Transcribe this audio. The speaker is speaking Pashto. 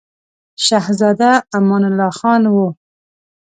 شهزاده امان الله خان وو.